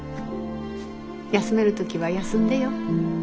休める時は休んでよ。